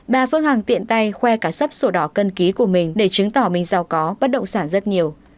bà phương hằng tiện tay khoe cả sắp sổ đỏ cân ký của mình để chứng tỏ mình giàu có bất động sản rất nhiều